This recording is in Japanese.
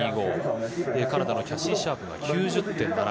カナダのキャシー・シャープが９０．７５。